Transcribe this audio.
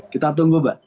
kita tunggu mbak